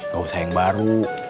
gak usah yang baru